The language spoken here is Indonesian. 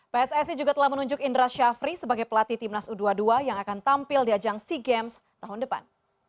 pssi juga telah menunjuk indra syafri sebagai pelatih timnas u dua puluh dua yang akan tampil di ajang sea games tahun depan